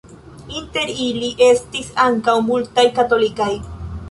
Inter ili estis ankaŭ multaj katolikaj.